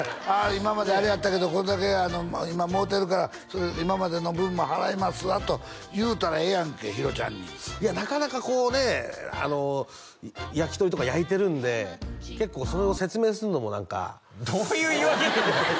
今まであれやったけどこれだけ今もろてるから今までの分も払いますわと言うたらええやんけ博ちゃんにいやなかなかこうね焼き鳥とか焼いてるんで結構それを説明するのも何かどういう言い訳なんだよ！